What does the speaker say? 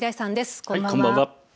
こんばんは。